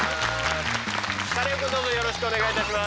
カネオくんどうぞよろしくお願いいたします。